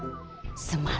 ke rumah emak